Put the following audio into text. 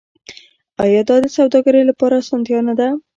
آیا دا د سوداګرۍ لپاره اسانتیا نه ده؟